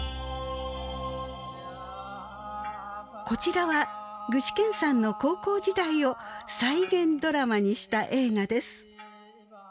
こちらは具志堅さんの高校時代を再現ドラマにした映画です。